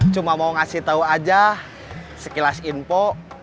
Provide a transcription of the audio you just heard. cuma mau ngasih tahu aja sekilas info